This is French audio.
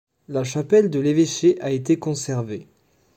La chapelle de l'évêché a été conservée.